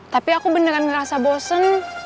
tapi aku beneran ngerasa bosen